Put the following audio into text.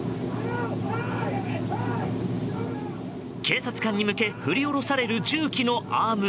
警察官に向け振り下ろされる重機のアーム。